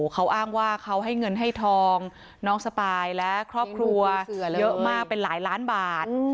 เขาอ้างว่าเขาให้เงินให้ทองน้องสปายและครอบครัวเยอะมากเป็นหลายล้านบาท